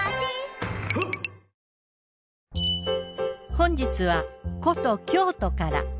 本日は古都・京都から。